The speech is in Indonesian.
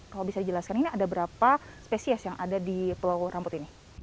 kalau bisa dijelaskan ini ada berapa spesies yang ada di pulau rambut ini